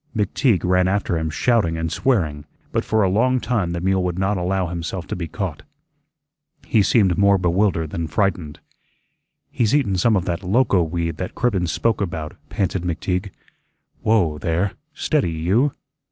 McTeague ran after him shouting and swearing, but for a long time the mule would not allow himself to be caught. He seemed more bewildered than frightened. "He's eatun some of that loco weed that Cribbens spoke about," panted McTeague. "Whoa, there; steady, you."